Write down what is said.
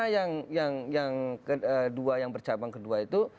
jadi yang kedua yang bercabang kedua itu